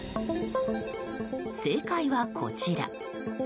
正解は、こちら。